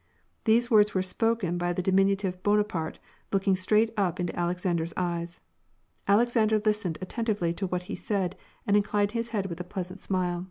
These words were spoken by the diminutive Bonaparte, looking straight up into Alexander's eyes. Alexander listened attentively to what he said, and in clined his head with a pleasant smile.